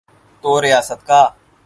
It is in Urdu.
تو ریاست کا۔